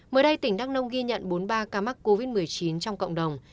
mới đây tỉnh đắk nông ghi nhận bốn mươi ba ca mắc covid một mươi chín trong cộng đồng